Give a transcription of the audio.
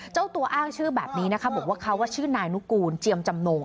เจ้าตัวอ้างชื่อแบบนี้นะคะบอกว่าเขาว่าชื่อนายนุกูลเจียมจำนง